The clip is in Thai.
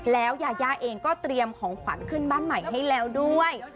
แล้วยาย่าเองก็เตรียมของขวัญขึ้นบ้านใหม่ให้แล้วด้วย